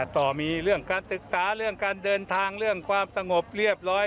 ต่อมีเรื่องการศึกษาเรื่องการเดินทางเรื่องความสงบเรียบร้อย